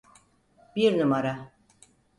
Bir numara!